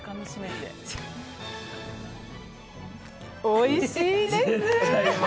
おいしいです！